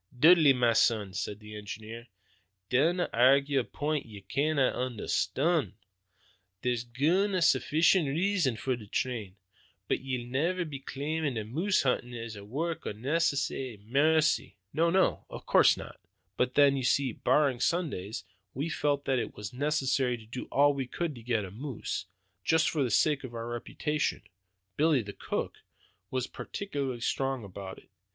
"Dudley, ma son," said the engineer, "dinna airgue a point that ye canna understond. There's guid an' suffeecient reasons for the train. But ye'll ne'er be claimin' that moose huntin' is a wark o' necessity or maircy?" "No, no, of course not; but then, you see, barring Sundays, we felt that it was necessary to do all we could to get a moose, just for the sake of our reputations. Billy, the cook, was particularly strong about it.